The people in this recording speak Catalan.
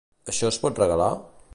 Això es pot regalar?